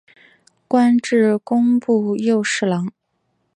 官至工部右侍郎。